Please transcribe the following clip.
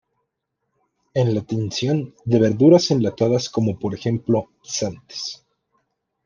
En la tinción de verduras enlatados, como por ejemplo guisantes.